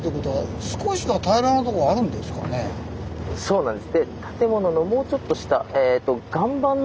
そうなんです。